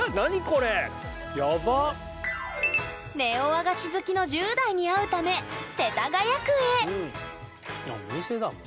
和菓子好きの１０代に会うため世田谷区へあお店だもう。